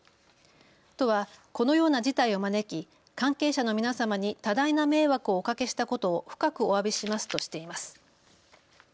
都はこのような事態を招き関係者の皆様に多大な迷惑をおかけしたことを深くおわびしますとしています。